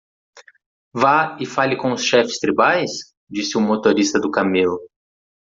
"Vá e fale com os chefes tribais?" disse o motorista do camelo.